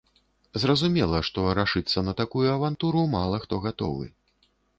Зразумела, што рашыцца на такую авантуру мала хто гатовы.